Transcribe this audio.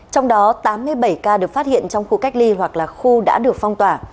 trong đó tám mươi bảy ca được phát hiện trong khu cách ly hoặc là khu đã được phong tỏa